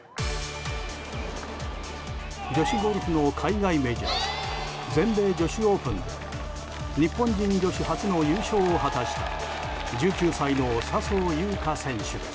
女子ゴルフの海外メジャー全米女子オープンで日本人女子初の優勝を果たした１９歳の笹生優花選手です。